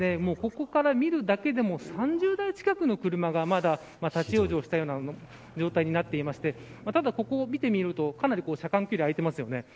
ここから見るだけでも３０台近くの車がまだ立ち往生したような状態になっていましてただここを見てみると、かなり車間距離は空いていますよね。